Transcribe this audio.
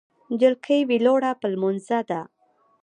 جلکۍ ویلوړه په لمونځه ده